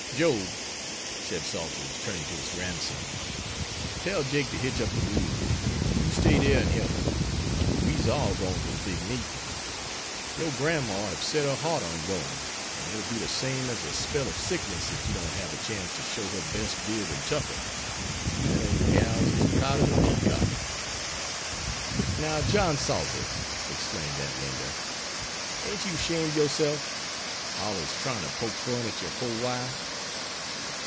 "Job," said Salters, turning to his grandson, "tell Jake ter hitch up de mules, an' you stay dere an' help him. We's all gwine ter de big meetin'. Yore grandma hab set her heart on goin', an' it'll be de same as a spell ob sickness ef she don't hab a chance to show her bes' bib an' tucker. That ole gal's as proud as a peacock." "Now, John Salters," exclaimed Aunt Linda, "ain't you 'shamed ob yourself? Allers tryin' to poke fun at yer pore wife.